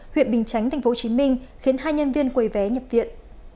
huyện bình chánh tp hcm khiến hai nhân viên quầy vé nhập viện